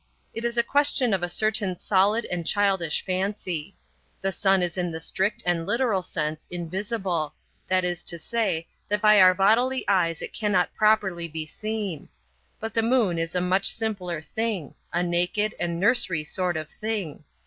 It is a question of a certain solid and childish fancy. The sun is in the strict and literal sense invisible; that is to say, that by our bodily eyes it cannot properly be seen. But the moon is a much simpler thing; a naked and nursery sort of thing.